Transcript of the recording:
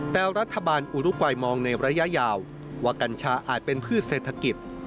แต่รัฐบาลอุรุกวัยมองในระยะยาวว่ากัญชาอาจเป็นพืชเศรษฐกิจ